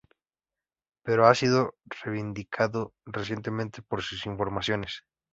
Pero ha sido reivindicado recientemente por sus informaciones.